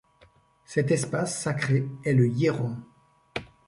Cet espace sacré est le Hiéron.